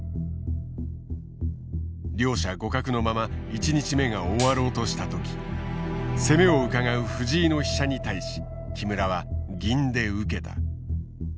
両者互角のまま１日目が終わろうとした時攻めをうかがう藤井の飛車に対し木村は銀で受けた。